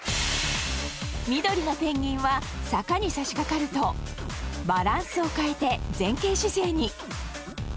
緑のペンギンは坂にさしかかるとバランスを変えて前傾姿勢に。